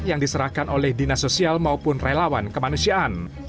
yang diserahkan oleh dinas sosial maupun relawan kemanusiaan